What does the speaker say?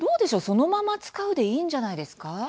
そのまま使うでいいんじゃないですか。